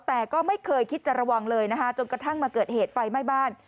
แต่ก็ไม่เคยคิดจะระวังเลยนะคะจนกระทั่งมาเกิดเหตุไฟไหม้บ้าน